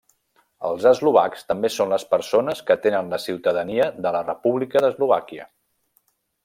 Els eslovacs també són les persones que tenen la ciutadania de la República d'Eslovàquia.